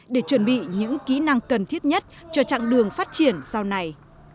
để chuẩn bị những kỹ năng cần thiết nhất cho chặng đường phát triển sau này